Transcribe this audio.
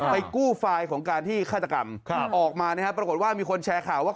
ไปกู้ไฟล์ของการที่ฆาตกรรมออกมานะครับปรากฏว่ามีคนแชร์ข่าวว่า